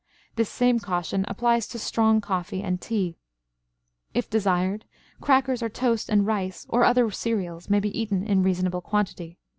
This same caution applies to strong coffee and tea. If desired, crackers or toast and rice or other cereals may be eaten in reasonable quantity.